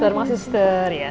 terima kasih suster